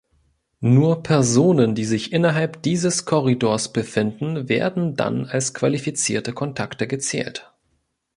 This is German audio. Nur Personen, die sich innerhalb dieses Korridors befinden werden dann als qualifizierte Kontakte gezählt.